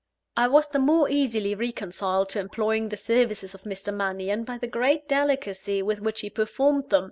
I was the more easily reconciled to employing the services of Mr. Mannion, by the great delicacy with which he performed them.